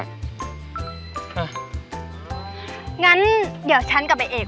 อ่ะงั้นเดี๋ยวฉันกับอเอกไปเอาพวกให้